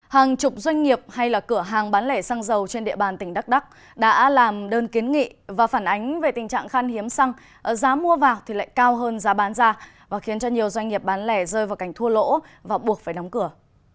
hàng chục doanh nghiệp hay là cửa hàng bán lẻ xăng dầu trên địa bàn tỉnh đắk lắc đã làm đơn kiến nghị và phản ánh về tình trạng khan hiếm xăng giá mua vào thì lại cao hơn giá bán ra và khiến cho nhiều doanh nghiệp bán lẻ rơi vào cảnh thua lỗ và buộc phải đóng cửa